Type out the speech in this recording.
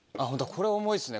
これ重いですね